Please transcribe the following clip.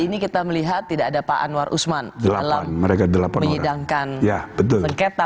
ini kita melihat tidak ada pak anwar usman dalam mereka delapan orang mengidangkan ya betul sengketa